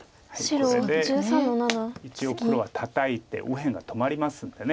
これで一応黒はタタいて右辺が止まりますんで。